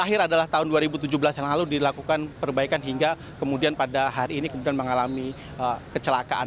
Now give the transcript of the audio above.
terakhir adalah tahun dua ribu tujuh belas yang lalu dilakukan perbaikan hingga kemudian pada hari ini kemudian mengalami kecelakaan